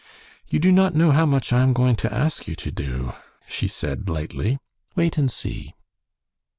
"You do not know how much I am going to ask you to do," she said, lightly. "Wait and see."